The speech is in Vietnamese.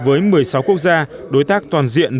với một mươi sáu quốc gia đối tác toàn diện